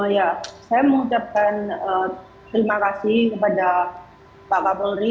ya saya mengucapkan terima kasih kepada pak kapolri